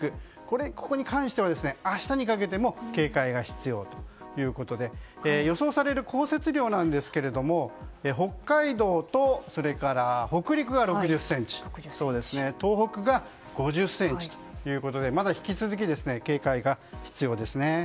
ここに関しては明日にかけても警戒が必要ということで予想される降雪量なんですが北海道と北陸が６０ｃｍ東北が５０ｃｍということでまだ引き続き警戒が必要です。